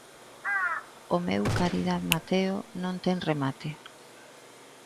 O meu Caridad Mateo non ten remate.